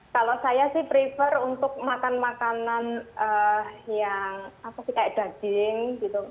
kalau saya sih prefer untuk makan makanan yang apa sih kayak daging gitu